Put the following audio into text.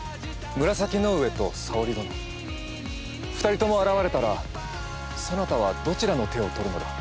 紫の上と沙織殿２人とも現れたらそなたはどちらの手を取るのだ。